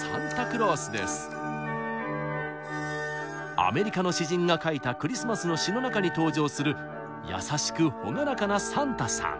アメリカの詩人が書いたクリスマスの詩の中に登場する優しく朗らかなサンタさん。